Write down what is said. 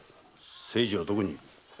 清次はどこにいる？